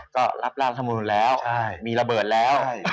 ก็รับราวสมุนตร์แล้วมีระเบิดแล้ว